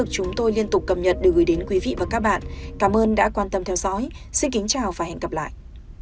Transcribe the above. cảm ơn các bạn đã theo dõi và hẹn gặp lại